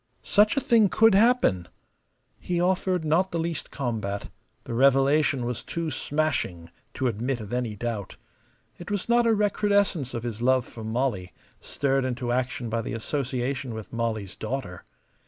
Such a thing could happen! He offered not the least combat; the revelation was too smashing to admit of any doubt. It was not a recrudescence of his love for Molly, stirred into action by the association with Molly's daughter.